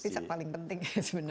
itu paling penting sebenarnya